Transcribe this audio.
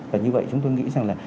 và như vậy chúng tôi nghĩ rằng là